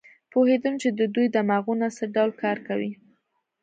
پوهېدم چې د دوی دماغونه څه ډول کار کوي.